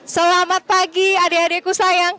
selamat pagi adik adikku sayang